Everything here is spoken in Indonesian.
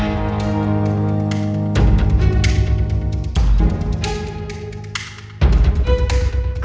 kesel banget dia sama rara